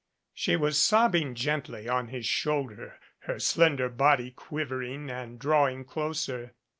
She was sobbing gently on his shoulder, her slender body quivering and drawing closer.